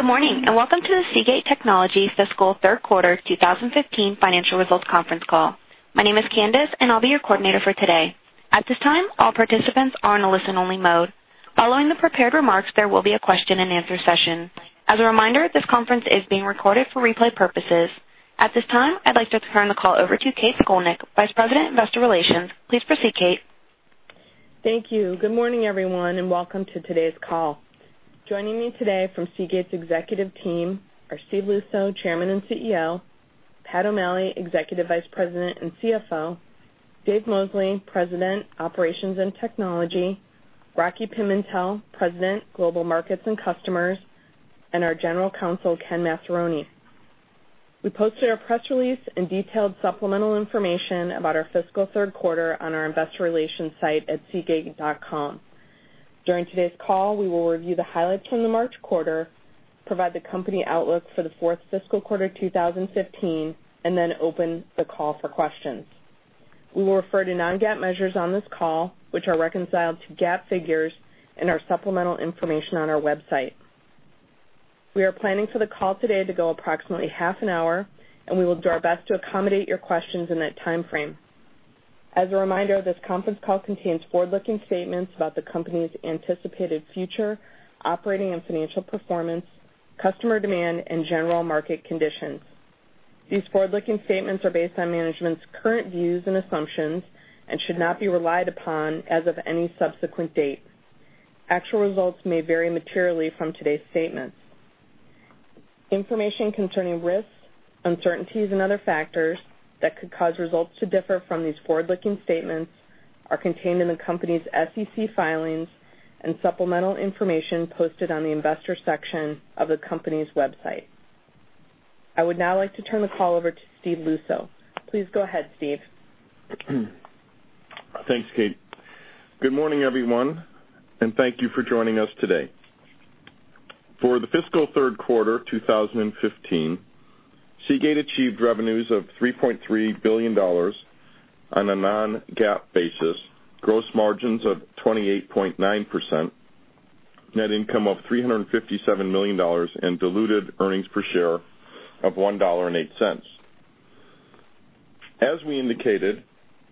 Good morning, welcome to the Seagate Technology fiscal third quarter 2015 financial results conference call. My name is Candace, and I will be your coordinator for today. At this time, all participants are in a listen-only mode. Following the prepared remarks, there will be a question and answer session. As a reminder, this conference is being recorded for replay purposes. At this time, I would like to turn the call over to Kathryn Scolnick, Vice President, Investor Relations. Please proceed, Kate. Thank you. Good morning, everyone, welcome to today's call. Joining me today from Seagate's executive team are Steve Luczo, Chairman and CEO; Pat O'Malley, Executive Vice President and CFO; Dave Mosley, President, Operations and Technology; Rocky Pimentel, President, Global Markets and Customers; and our General Counsel, Ken Massaroni. We posted our press release and detailed supplemental information about our fiscal third quarter on our investor relations site at seagate.com. During today's call, we will review the highlights from the March quarter, provide the company outlook for the fourth fiscal quarter 2015, then open the call for questions. We will refer to non-GAAP measures on this call, which are reconciled to GAAP figures in our supplemental information on our website. We are planning for the call today to go approximately half an hour, we will do our best to accommodate your questions in that timeframe. As a reminder, this conference call contains forward-looking statements about the company's anticipated future operating and financial performance, customer demand, and general market conditions. These forward-looking statements are based on management's current views and assumptions and should not be relied upon as of any subsequent date. Actual results may vary materially from today's statements. Information concerning risks, uncertainties, and other factors that could cause results to differ from these forward-looking statements are contained in the company's SEC filings and supplemental information posted on the investor section of the company's website. I would now like to turn the call over to Steve Luczo. Please go ahead, Steve. Thanks, Kate. Good morning, everyone, thank you for joining us today. For the fiscal third quarter 2015, Seagate achieved revenues of $3.3 billion on a non-GAAP basis, gross margins of 28.9%, net income of $357 million, and diluted earnings per share of $1.08. As we indicated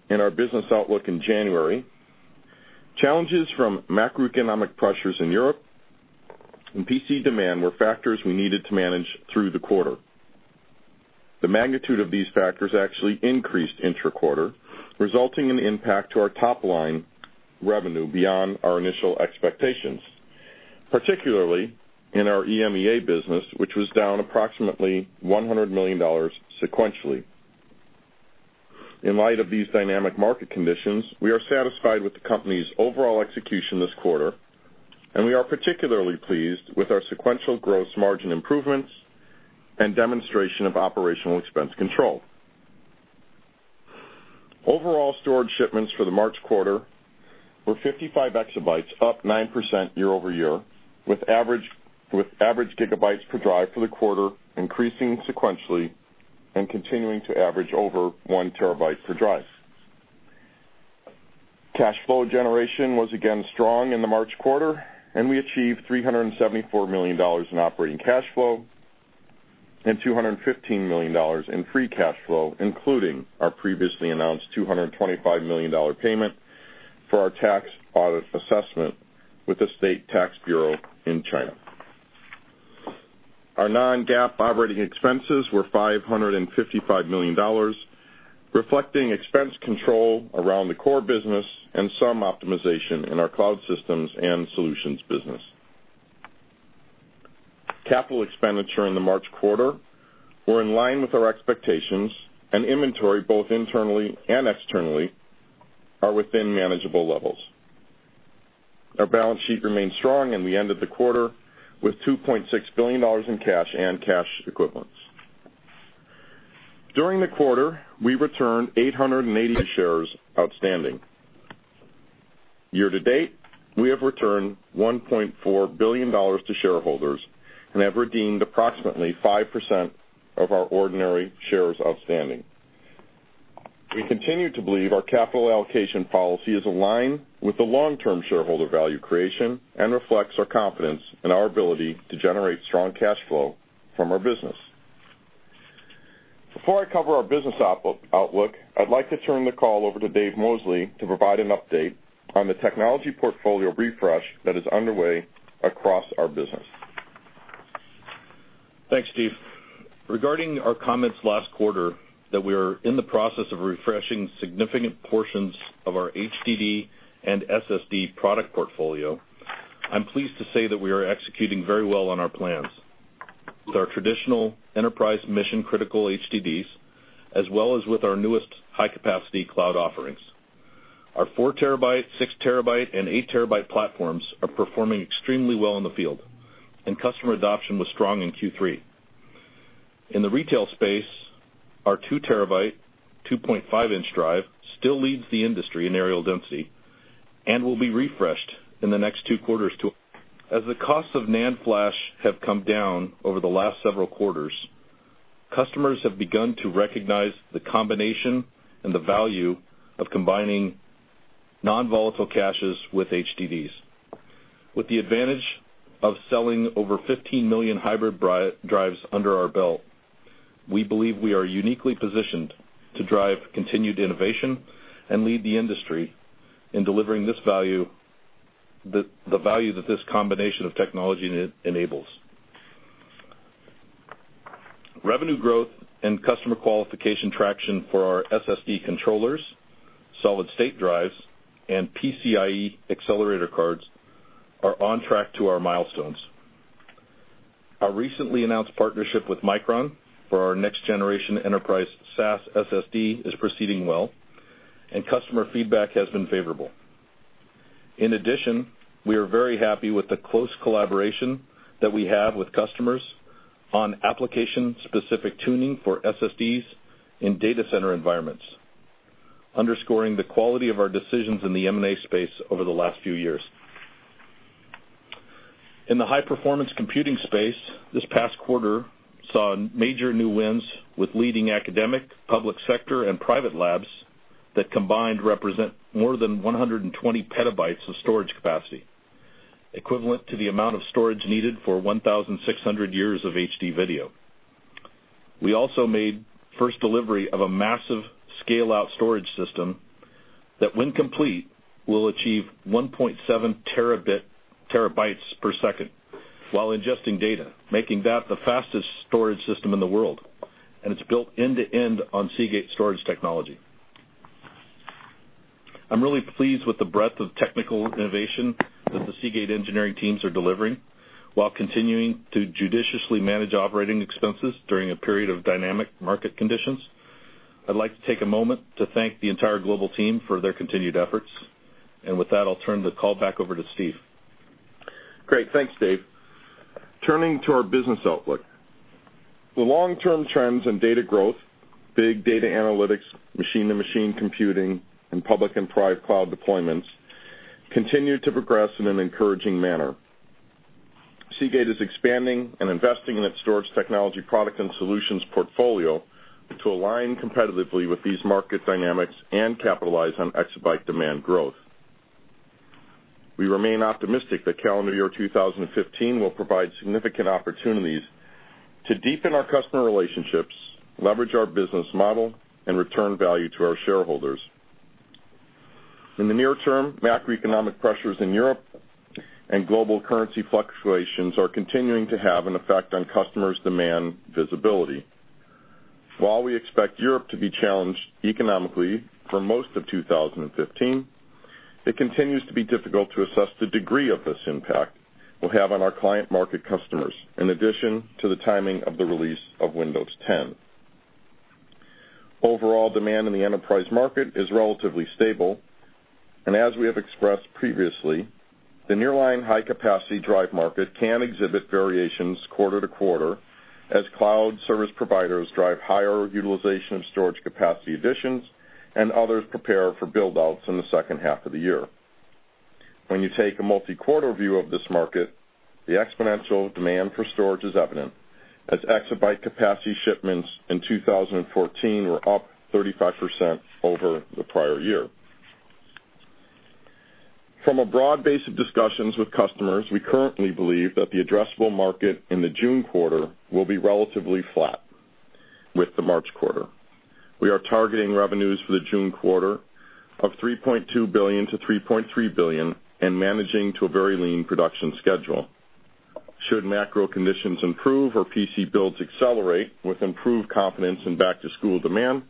in our business outlook in January, challenges from macroeconomic pressures in Europe and PC demand were factors we needed to manage through the quarter. The magnitude of these factors actually increased intra-quarter, resulting in impact to our top-line revenue beyond our initial expectations, particularly in our EMEA business, which was down approximately $100 million sequentially. In light of these dynamic market conditions, we are satisfied with the company's overall execution this quarter, we are particularly pleased with our sequential gross margin improvements and demonstration of operational expense control. Overall storage shipments for the March quarter were 55 exabytes, up 9% year-over-year, with average gigabytes per drive for the quarter increasing sequentially and continuing to average over one terabyte per drive. Cash flow generation was again strong in the March quarter, and we achieved $374 million in operating cash flow and $215 million in free cash flow, including our previously announced $225 million payment for our tax audit assessment with the State Taxation Administration in China. Our non-GAAP operating expenses were $555 million, reflecting expense control around the core business and some optimization in our Cloud Systems and Solutions business. Capital expenditure in the March quarter were in line with our expectations, and inventory, both internally and externally, are within manageable levels. Our balance sheet remains strong, and we ended the quarter with $2.6 billion in cash and cash equivalents. During the quarter, we returned [880 million shares] outstanding. Year-to-date, we have returned $1.4 billion to shareholders and have redeemed approximately 5% of our ordinary shares outstanding. We continue to believe our capital allocation policy is aligned with the long-term shareholder value creation and reflects our confidence in our ability to generate strong cash flow from our business. Before I cover our business outlook, I'd like to turn the call over to Dave Mosley to provide an update on the technology portfolio refresh that is underway across our business. Thanks, Steve. Regarding our comments last quarter that we are in the process of refreshing significant portions of our HDD and SSD product portfolio, I'm pleased to say that we are executing very well on our plans with our traditional enterprise mission-critical HDDs, as well as with our newest high-capacity cloud offerings. Our four terabyte, six terabyte, and eight terabyte platforms are performing extremely well in the field, and customer adoption was strong in Q3. In the retail space, our two terabyte, 2.5-inch drive still leads the industry in areal density and will be refreshed in the next two quarters. As the cost of NAND flash have come down over the last several quarters, customers have begun to recognize the combination and the value of combining non-volatile caches with HDDs. With the advantage of selling over 15 million hybrid drives under our belt, we believe we are uniquely positioned to drive continued innovation and lead the industry in delivering the value that this combination of technology enables. Revenue growth and customer qualification traction for our SSD controllers, solid-state drives, and PCIe accelerator cards are on track to our milestones. Our recently announced partnership with Micron for our next-generation enterprise SAS SSD is proceeding well, and customer feedback has been favorable. In addition, we are very happy with the close collaboration that we have with customers on application-specific tuning for SSDs in data center environments, underscoring the quality of our decisions in the M&A space over the last few years. In the high-performance computing space, this past quarter saw major new wins with leading academic, public sector, and private labs that combined represent more than 120 petabytes of storage capacity, equivalent to the amount of storage needed for 1,600 years of HD video. We also made the first delivery of a massive scale-out storage system that, when complete, will achieve 1.7 terabytes per second while ingesting data, making that the fastest storage system in the world. It's built end-to-end on Seagate storage technology. I'm really pleased with the breadth of technical innovation that the Seagate engineering teams are delivering while continuing to judiciously manage operating expenses during a period of dynamic market conditions. I'd like to take a moment to thank the entire global team for their continued efforts. With that, I'll turn the call back over to Steve. Great. Thanks, Dave. Turning to our business outlook. The long-term trends in data growth, big data analytics, machine-to-machine computing, and public and private cloud deployments continue to progress in an encouraging manner. Seagate is expanding and investing in its storage technology product and solutions portfolio to align competitively with these market dynamics and capitalize on exabyte demand growth. We remain optimistic that calendar year 2015 will provide significant opportunities to deepen our customer relationships, leverage our business model, and return value to our shareholders. In the near term, macroeconomic pressures in Europe and global currency fluctuations are continuing to have an effect on customers' demand visibility. While we expect Europe to be challenged economically for most of 2015, it continues to be difficult to assess the degree of this impact will have on our client market customers, in addition to the timing of the release of Windows 10. Overall demand in the enterprise market is relatively stable. As we have expressed previously, the nearline high-capacity drive market can exhibit variations quarter to quarter as cloud service providers drive higher utilization of storage capacity additions and others prepare for build-outs in the second half of the year. When you take a multi-quarter view of this market, the exponential demand for storage is evident as exabyte capacity shipments in 2014 were up 35% over the prior year. From a broad base of discussions with customers, we currently believe that the addressable market in the June quarter will be relatively flat with the March quarter. We are targeting revenues for the June quarter of $3.2 billion to $3.3 billion and managing to a very lean production schedule. Should macro conditions improve or PC builds accelerate with improved confidence in back-to-school demand,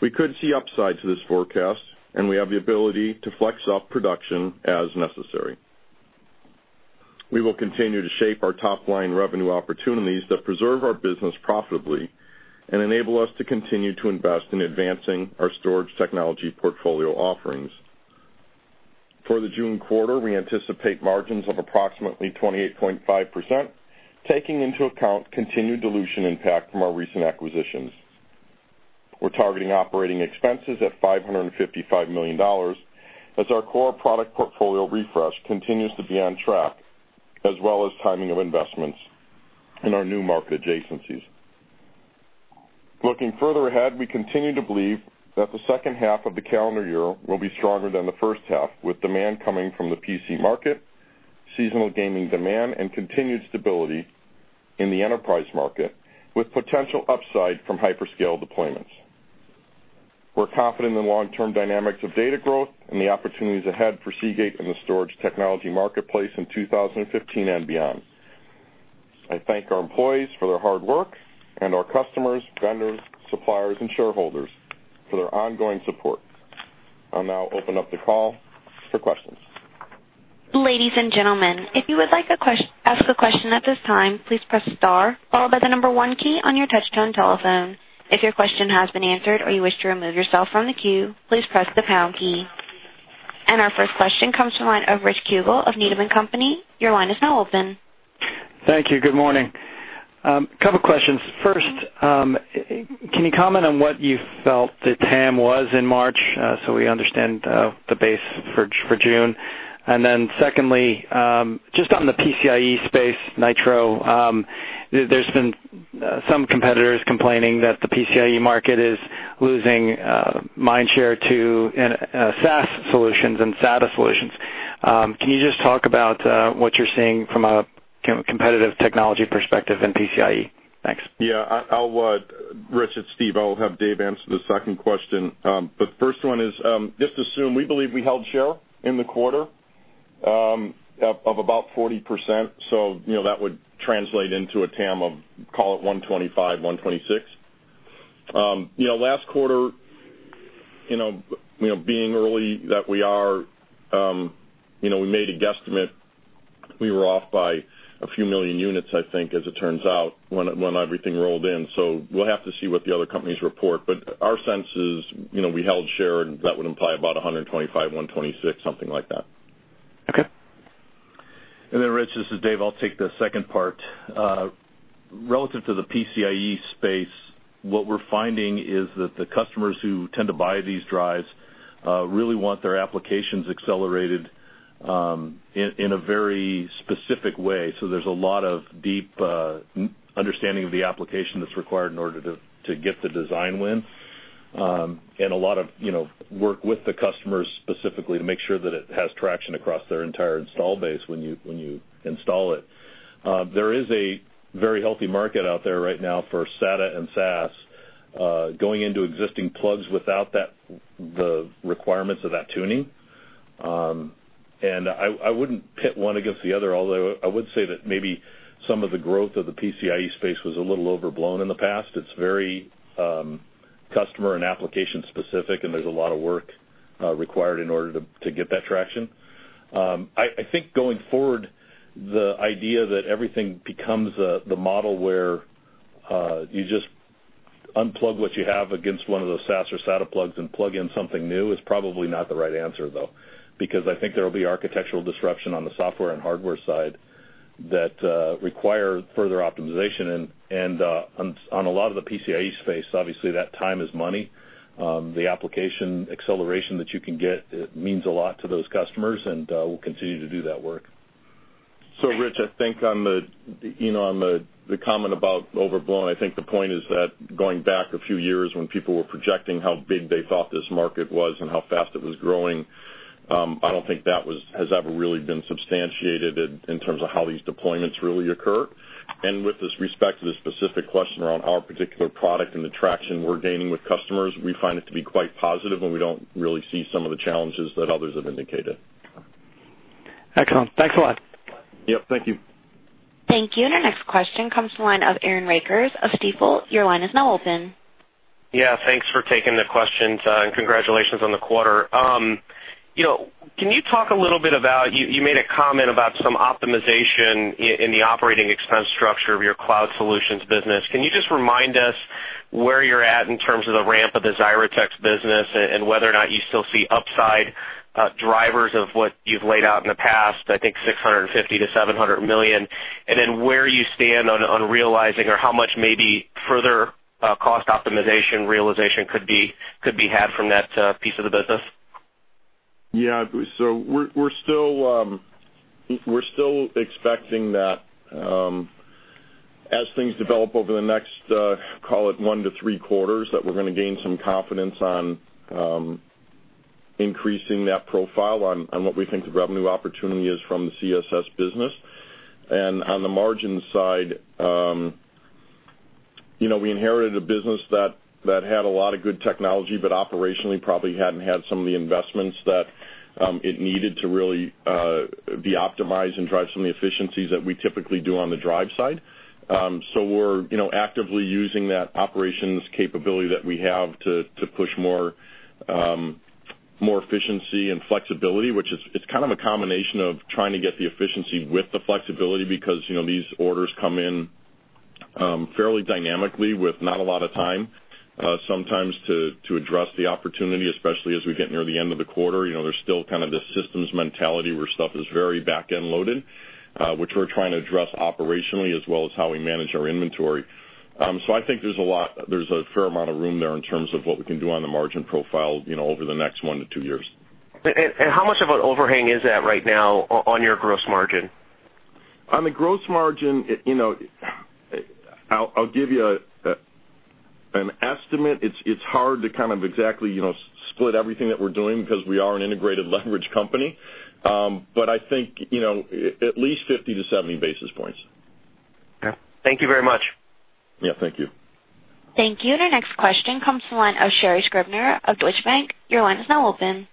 we could see upsides to this forecast. We have the ability to flex up production as necessary. We will continue to shape our top-line revenue opportunities that preserve our business profitably and enable us to continue to invest in advancing our storage technology portfolio offerings. For the June quarter, we anticipate margins of approximately 28.5%, taking into account continued dilution impact from our recent acquisitions. We're targeting operating expenses at $555 million as our core product portfolio refresh continues to be on track, as well as timing of investments in our new market adjacencies. Looking further ahead, we continue to believe that the second half of the calendar year will be stronger than the first half, with demand coming from the PC market, seasonal gaming demand, and continued stability in the enterprise market, with potential upside from hyperscale deployments. We're confident in the long-term dynamics of data growth and the opportunities ahead for Seagate in the storage technology marketplace in 2015 and beyond. I thank our employees for their hard work and our customers, vendors, suppliers, and shareholders for their ongoing support. I'll now open up the call for questions. Ladies and gentlemen, if you would like to ask a question at this time, please press star followed by the number one key on your touch-tone telephone. If your question has been answered or you wish to remove yourself from the queue, please press the pound key. Our first question comes from the line of Richard Kugele of Needham & Company. Your line is now open. Thank you. Good morning. A couple of questions. First, can you comment on what you felt the TAM was in March so we understand the base for June? Secondly, just on the PCIe space, Nytro, there's been some competitors complaining that the PCIe market is losing mind share to SAS solutions and SATA solutions. Can you just talk about what you're seeing from a competitive technology perspective in PCIe? Thanks. Yeah. Rich, it's Steve. I'll have Dave answer the second question. First one is, just assume we believe we held share in the quarter of about 40%. That would translate into a TAM of, call it, 125, 126. Last quarter, being early that we are, we made a guesstimate. We were off by a few million units, I think, as it turns out, when everything rolled in. We'll have to see what the other companies report, but our sense is, we held share, and that would imply about 125, 126, something like that. Okay. Rich, this is Dave, I'll take the second part. Relative to the PCIe space, what we're finding is that the customers who tend to buy these drives really want their applications accelerated in a very specific way. There's a lot of deep understanding of the application that's required in order to get the design win. A lot of work with the customers specifically to make sure that it has traction across their entire install base when you install it. There is a very healthy market out there right now for SATA and SAS going into existing plugs without the requirements of that tuning. I wouldn't pit one against the other, although I would say that maybe some of the growth of the PCIe space was a little overblown in the past. It's very customer and application specific, and there's a lot of work required in order to get that traction. I think going forward, the idea that everything becomes the model where you just unplug what you have against one of those SAS or SATA plugs and plug in something new is probably not the right answer, though. Because I think there will be architectural disruption on the software and hardware side that require further optimization. On a lot of the PCIe space, obviously, that time is money. The application acceleration that you can get, it means a lot to those customers, and we'll continue to do that work. Rich, I think on the comment about overblown, I think the point is that going back a few years when people were projecting how big they thought this market was and how fast it was growing, I don't think that has ever really been substantiated in terms of how these deployments really occur. With this respect to the specific question around our particular product and the traction we're gaining with customers, we find it to be quite positive, and we don't really see some of the challenges that others have indicated. Excellent. Thanks a lot. Yep. Thank you. Thank you. Our next question comes from the line of Aaron Rakers of Stifel. Your line is now open. Yeah. Thanks for taking the questions, and congratulations on the quarter. You made a comment about some optimization in the operating expense structure of your Cloud Solutions business. Can you just remind us where you're at in terms of the ramp of the Xyratex business and whether or not you still see upside drivers of what you've laid out in the past, I think $650 million-$700 million? Then where you stand on realizing or how much maybe further cost optimization realization could be had from that piece of the business? Yeah. We're still expecting that as things develop over the next, call it one to three quarters, that we're going to gain some confidence on increasing that profile on what we think the revenue opportunity is from the CSS business. On the margin side, we inherited a business that had a lot of good technology, but operationally probably hadn't had some of the investments that it needed to really be optimized and drive some of the efficiencies that we typically do on the drive side. We're actively using that operations capability that we have to push more efficiency and flexibility, which it's kind of a combination of trying to get the efficiency with the flexibility because these orders come in fairly dynamically with not a lot of time sometimes to address the opportunity, especially as we get near the end of the quarter. There's still this systems mentality where stuff is very back-end loaded, which we're trying to address operationally as well as how we manage our inventory. I think there's a fair amount of room there in terms of what we can do on the margin profile over the next one to two years. How much of an overhang is that right now on your gross margin? On the gross margin, I'll give you an estimate. It's hard to exactly split everything that we're doing because we are an integrated leverage company. I think at least 50 to 70 basis points. Okay. Thank you very much. Yeah. Thank you. Thank you. Our next question comes from the line of Sherri Scribner of Deutsche Bank. Your line is now open.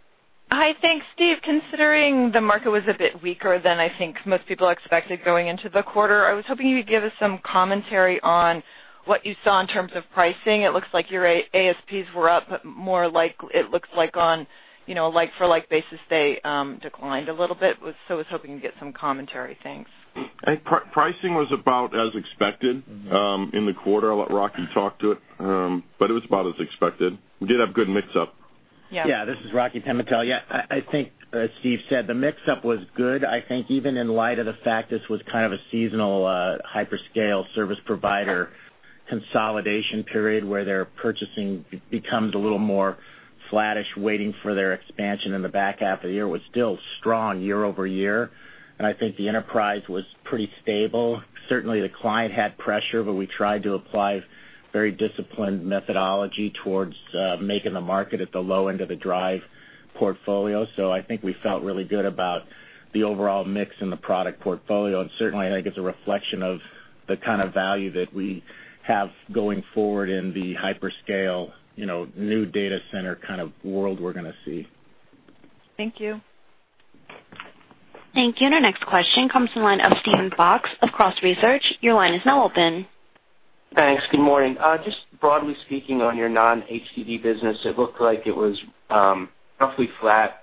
Hi. Thanks, Steve. Considering the market was a bit weaker than I think most people expected going into the quarter, I was hoping you could give us some commentary on what you saw in terms of pricing. It looks like your ASPs were up, but more like it looks like on like-for-like basis, they declined a little bit. I was hoping to get some commentary. Thanks. Pricing was about as expected in the quarter. I'll let Rocky talk to it, but it was about as expected. We did have good mix-up. Yeah. Yeah, this is Rocky Pimentel. Yeah, I think as Steve said, the mix was good. I think even in light of the fact this was kind of a seasonal hyperscale service provider Consolidation period where their purchasing becomes a little more flattish, waiting for their expansion in the back half of the year was still strong year-over-year. I think the enterprise was pretty stable. Certainly, the client had pressure, but we tried to apply very disciplined methodology towards making the market at the low end of the drive portfolio. I think we felt really good about the overall mix in the product portfolio. Certainly, I think it's a reflection of the kind of value that we have going forward in the hyperscale, new data center kind of world we're going to see. Thank you. Thank you. Our next question comes from the line of Steven Fox of Cross Research. Your line is now open. Thanks. Good morning. Just broadly speaking on your non-HDD business, it looked like it was roughly flat,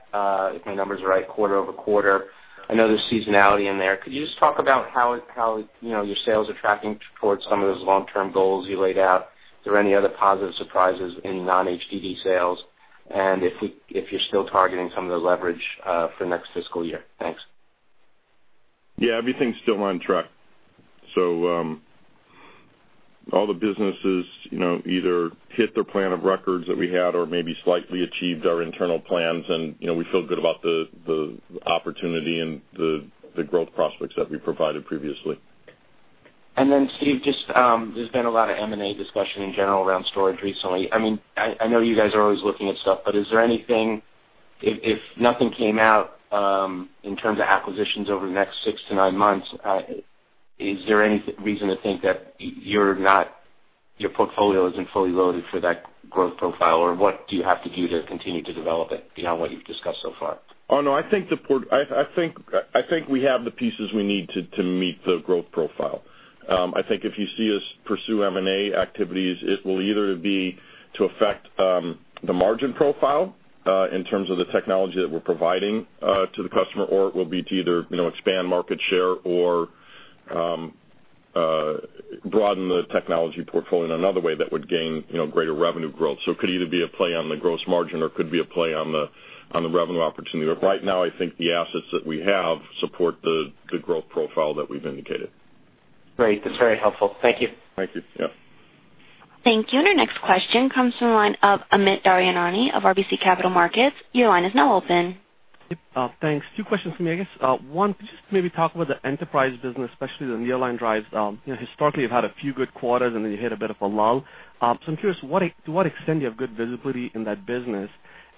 if my numbers are right, quarter-over-quarter. I know there's seasonality in there. Could you just talk about how your sales are tracking towards some of those long-term goals you laid out? Is there any other positive surprises in non-HDD sales? If you're still targeting some of the leverage for next fiscal year? Thanks. Yeah, everything's still on track. All the businesses either hit their plan of records that we had or maybe slightly achieved our internal plans. We feel good about the opportunity and the growth prospects that we provided previously. Then, Steve, there's been a lot of M&A discussion in general around storage recently. I know you guys are always looking at stuff, but is there anything, if nothing came out, in terms of acquisitions over the next six to nine months, is there any reason to think that your portfolio isn't fully loaded for that growth profile? What do you have to do to continue to develop it beyond what you've discussed so far? Oh, no, I think we have the pieces we need to meet the growth profile. I think if you see us pursue M&A activities, it will either be to affect the margin profile in terms of the technology that we're providing to the customer, or it will be to either expand market share or broaden the technology portfolio in another way that would gain greater revenue growth. It could either be a play on the gross margin or could be a play on the revenue opportunity. Right now, I think the assets that we have support the growth profile that we've indicated. Great. That's very helpful. Thank you. Thank you. Yep. Thank you. Our next question comes from the line of Amit Daryanani of RBC Capital Markets. Your line is now open. Yep. Thanks. Two questions for me. I guess, one, could you just maybe talk about the enterprise business, especially the nearline drives. Historically, you've had a few good quarters, then you hit a bit of a lull. I'm curious, to what extent do you have good visibility in that business?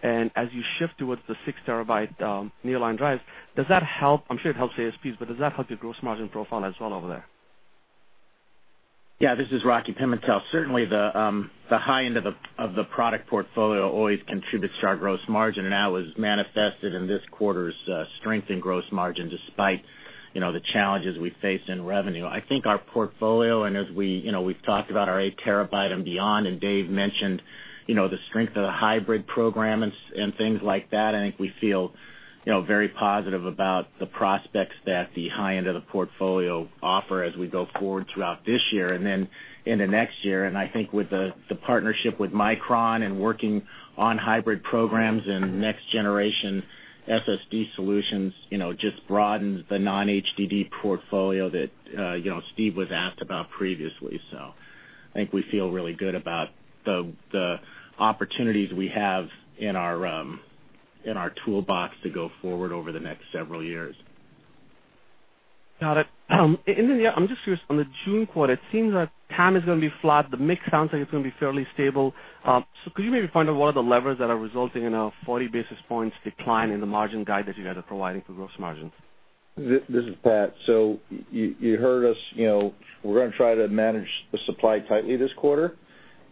As you shift towards the six terabyte nearline drives, does that help? I'm sure it helps ASPs, but does that help your gross margin profile as well over there? This is Rocky Pimentel. Certainly, the high end of the product portfolio always contributes to our gross margin, and that was manifested in this quarter's strength in gross margin, despite the challenges we faced in revenue. I think our portfolio, as we've talked about our 8 terabyte and beyond, and Dave mentioned the strength of the hybrid program and things like that, I think we feel very positive about the prospects that the high end of the portfolio offer as we go forward throughout this year and then into next year. I think with the partnership with Micron and working on hybrid programs and next-generation SSD solutions, just broadens the non-HDD portfolio that Steve was asked about previously. I think we feel really good about the opportunities we have in our toolbox to go forward over the next several years. Got it. I'm just curious, on the June quarter, it seems that TAM is going to be flat. The mix sounds like it's going to be fairly stable. Could you maybe point out what are the levers that are resulting in a 40 basis points decline in the margin guide that you guys are providing for gross margin? This is Pat. You heard us. We're going to try to manage the supply tightly this quarter.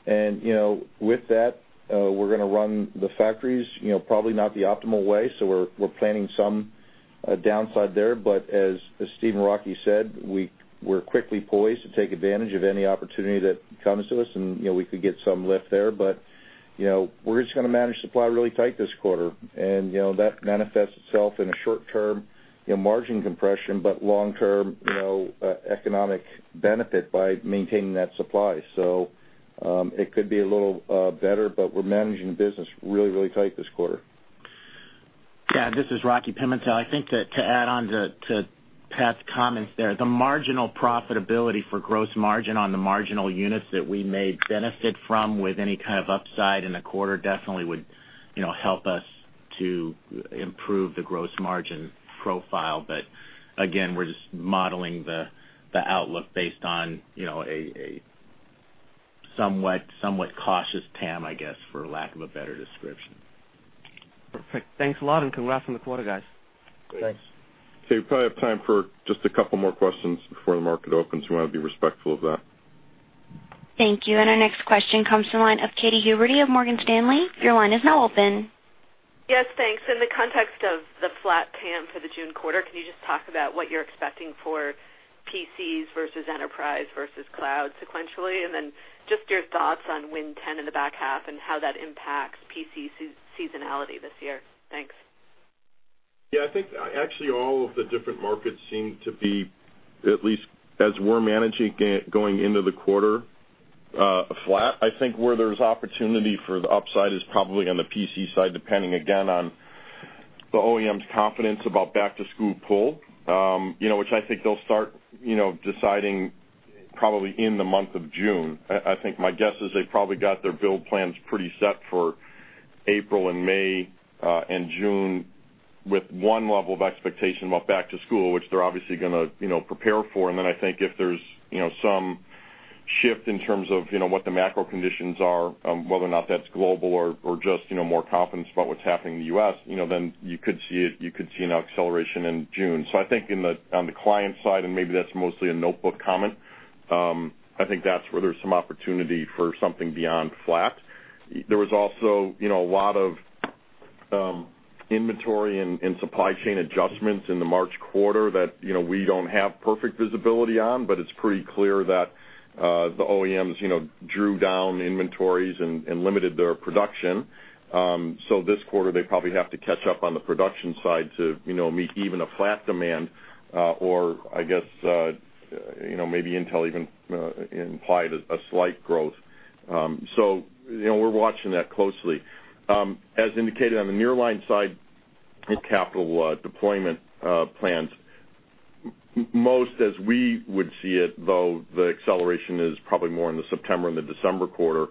With that, we're going to run the factories probably not the optimal way. We're planning some downside there. As Steve and Rocky said, we're quickly poised to take advantage of any opportunity that comes to us, and we could get some lift there. We're just going to manage supply really tight this quarter, and that manifests itself in a short-term margin compression, but long-term economic benefit by maintaining that supply. It could be a little better, but we're managing the business really tight this quarter. This is Albert Pimentel. I think to add on to Pat's comments there, the marginal profitability for gross margin on the marginal units that we may benefit from with any kind of upside in the quarter definitely would help us to improve the gross margin profile. Again, we're just modeling the outlook based on a somewhat cautious TAM, I guess, for lack of a better description. Perfect. Thanks a lot and congrats on the quarter, guys. Thanks. We probably have time for just a couple more questions before the market opens. We want to be respectful of that. Thank you. Our next question comes from the line of Katy Huberty of Morgan Stanley. Your line is now open. Yes, thanks. In the context of the flat TAM for the June quarter, can you just talk about what you're expecting for PCs versus enterprise versus cloud sequentially? Then just your thoughts on Win 10 in the back half and how that impacts PC seasonality this year. Thanks. Yeah, I think actually all of the different markets seem to be, at least as we're managing going into the quarter, flat. I think where there's opportunity for the upside is probably on the PC side, depending again on the OEM's confidence about back-to-school pull, which I think they'll start deciding probably in the month of June. I think my guess is they probably got their build plans pretty set for April and May and June with one level of expectation about back to school, which they're obviously going to prepare for. I think if there's some shift in terms of what the macro conditions are, whether or not that's global or just more confidence about what's happening in the U.S., then you could see an acceleration in June. I think on the client side, and maybe that's mostly a notebook comment, I think that's where there's some opportunity for something beyond flat. There was also a lot of inventory and supply chain adjustments in the March quarter that we don't have perfect visibility on, but it's pretty clear that the OEMs drew down inventories and limited their production. This quarter, they probably have to catch up on the production side to meet even a flat demand or, I guess, maybe Intel even implied a slight growth. We're watching that closely. As indicated on the nearline side capital deployment plans, most as we would see it, though, the acceleration is probably more in the September and the December quarter.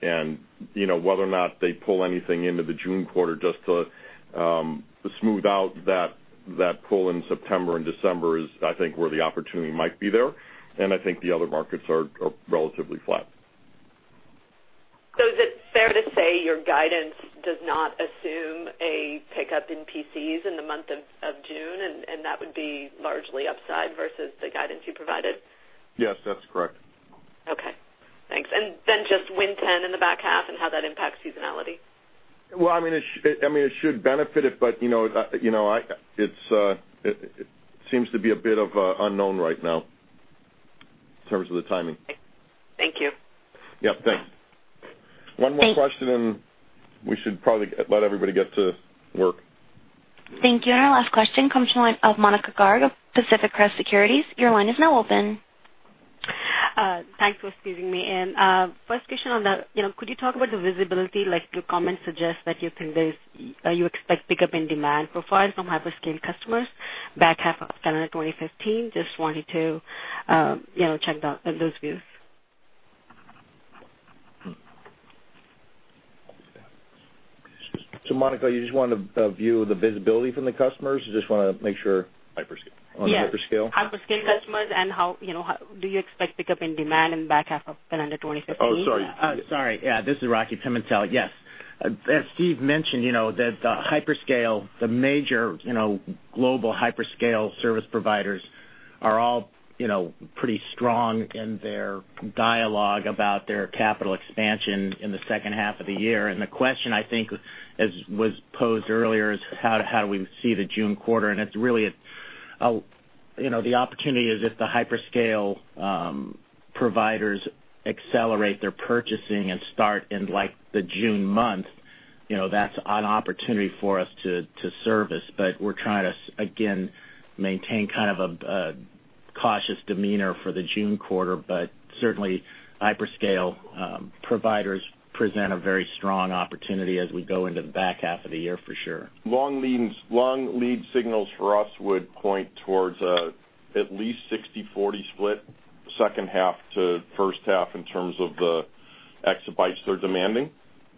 Whether or not they pull anything into the June quarter just to smooth out that pull in September and December is, I think, where the opportunity might be there. I think the other markets are relatively flat. Is it fair to say your guidance does not assume a pickup in PCs in the month of June, and that would be largely upside versus the guidance you provided? Yes, that's correct. Okay. Thanks. Just Win 10 in the back half and how that impacts seasonality? Well, it should benefit it, but it seems to be a bit of a unknown right now in terms of the timing. Thank you. Yep, thanks. One more question, we should probably let everybody get to work. Thank you. Our last question comes from the line of Monika Garg of Pacific Crest Securities. Your line is now open. Thanks for squeezing me in. First question, could you talk about the visibility? Your comment suggests that you expect pickup in demand profile from hyperscale customers back half of calendar 2015. Just wanted to check those views. Monika, you just wanted a view of the visibility from the customers? You just want to make sure? Hyperscale. On hyperscale. Yes. Do you expect pickup in demand in the back half of calendar 2015? Sorry. Sorry. Yeah, this is Albert Pimentel. Yes. As Steve mentioned, the major global hyperscale service providers are all pretty strong in their dialogue about their capital expansion in the second half of the year. The question, I think as was posed earlier, is how do we see the June quarter? The opportunity is if the hyperscale providers accelerate their purchasing and start in the June month, that's an opportunity for us to service. We're trying to, again, maintain a cautious demeanor for the June quarter. Certainly, hyperscale providers present a very strong opportunity as we go into the back half of the year for sure. Long lead signals for us would point towards at least 60-40 split second half to first half in terms of the exabytes they're demanding.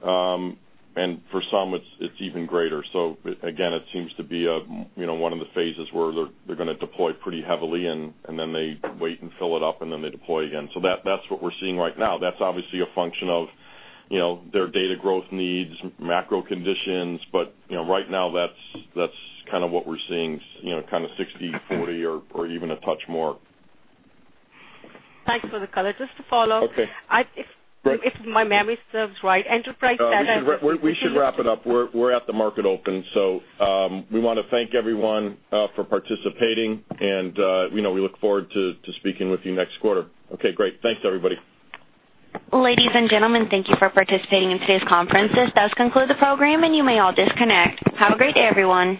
For some, it's even greater. Again, it seems to be one of the phases where they're going to deploy pretty heavily and then they wait and fill it up, and then they deploy again. That's what we're seeing right now. That's obviously a function of their data growth needs, macro conditions, but right now that's what we're seeing, kind of 60-40 or even a touch more. Thanks for the color. Just to follow up. Okay. If my memory serves right, enterprise data. We should wrap it up. We're at the market open. We want to thank everyone for participating and we look forward to speaking with you next quarter. Okay, great. Thanks, everybody. Ladies and gentlemen, thank you for participating in today's conference. This does conclude the program, and you may all disconnect. Have a great day, everyone.